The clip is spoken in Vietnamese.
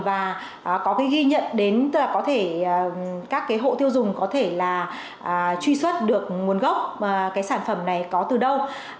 và có cái ghi nhận đến là có thể các cái hộ tiêu dùng có thể là truy xuất được nguồn gốc cái sản phẩm này có từ đâu